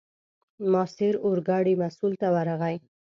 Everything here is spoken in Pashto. ماسیر اورګاډي مسوول ته ورغی.